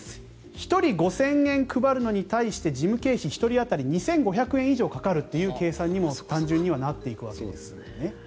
１人５０００円配るのに対して事務経費１人当たり２５００円以上かかるという計算にも単純にはなっていくわけですね。